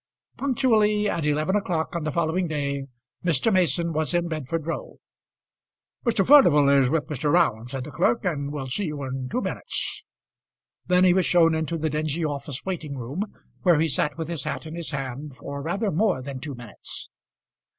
Punctually at eleven o'clock on the following day Mr. Mason was in Bedford Row. "Mr. Furnival is with Mr. Round," said the clerk, "and will see you in two minutes." Then he was shown into the dingy office waiting room, where he sat with his hat in his hand, for rather more than two minutes.